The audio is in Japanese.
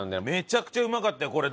めちゃくちゃうまかったよ。